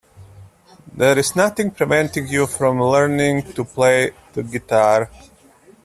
There's nothing preventing you from learning to play the guitar.